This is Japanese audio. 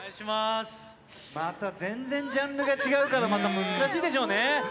また全然ジャンルが違うから、また難しいでしょうね。